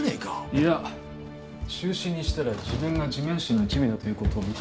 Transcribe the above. いや中止にしたら自分が地面師の一味だということを認めることになる。